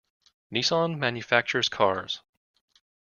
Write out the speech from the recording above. Nissan manufactures cars.